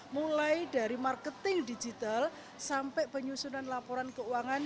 mulai dari marketing digital sampai penyusunan laporan keuangan